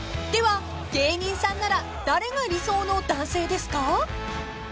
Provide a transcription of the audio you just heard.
では芸人さんなら誰が理想の男性ですか？］